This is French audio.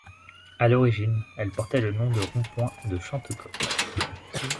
À l'origine, elle portait le nom de Rond-Point de Chantecoq.